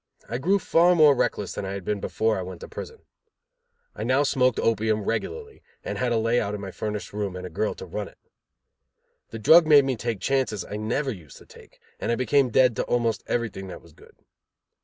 I grew far more reckless than I had been before I went to prison. I now smoked opium regularly, and had a lay out in my furnished room and a girl to run it. The drug made me take chances I never used to take; and I became dead to almost everything that was good.